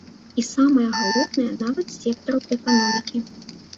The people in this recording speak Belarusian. І самае галоўнае, нават сектараў эканомікі.